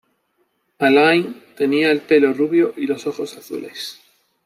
Alain tenía el pelo rubio y los ojos azules.